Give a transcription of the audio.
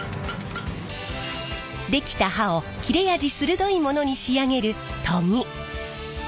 出来た刃を切れ味鋭いものに仕上げる研ぎ。